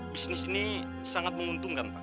bisnis ini sangat menguntungkan pak